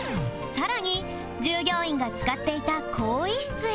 さらに従業員が使っていた更衣室へ